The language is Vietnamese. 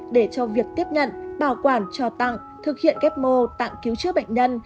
để cho việc tiếp nhận bảo quản trò tặng thực hiện ghép mô tạng cứu chữa bệnh nhân